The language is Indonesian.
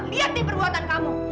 lihat nih perbuatan kamu